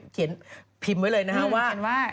เขียนพิมพ์ไว้เลยนะฮะว่า